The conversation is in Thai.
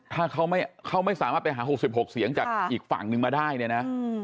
ถ้าเขาไม่สามารถไปหา๖๖เสียงจากอีกฝั่งนึงมาได้เนี่ยนะ